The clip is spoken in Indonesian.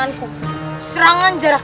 wanita ada di luar sana